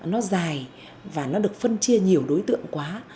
nó dài và nó được phân chia nhiều đối tượng quá